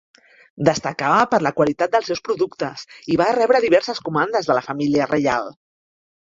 Destacava per la qualitat dels seus productes i va rebre diverses comandes de la família reial.